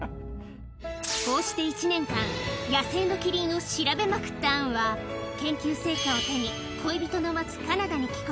こうして１年間、野生のキリンを調べまくったアンは、研究成果を手に、恋人の待つカナダに帰国。